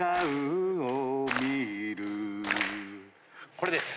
これです。